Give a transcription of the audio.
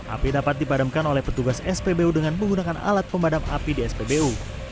api dapat dipadamkan oleh petugas spbu dengan menggunakan alat pemadam api di spbu